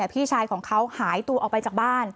พี่ชายของเขาหายตัวออกไปจากบ้าน